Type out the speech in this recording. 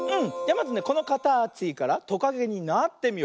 まずこのかたちからトカゲになってみよう。